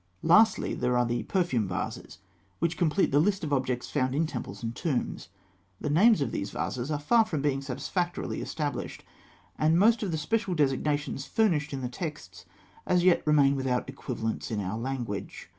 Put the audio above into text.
Lastly, there are the perfume vases, which complete the list of objects found in temples and tombs. The names of these vases are far from being satisfactorily established, and most of the special designations furnished in the texts remain as yet without equivalents in our language.